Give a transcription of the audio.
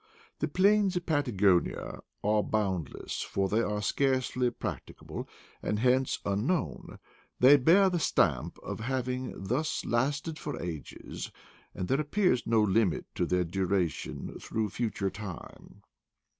The plains of Patagonia are bound less, for they are scarcely practicable, and hence unknown; they bear the stamp of having thus lasted for ages, and there appears no limit to their duration through future time.